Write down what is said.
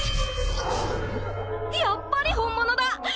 やっぱり本物だ！